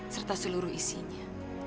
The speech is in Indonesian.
serta seluruh isinya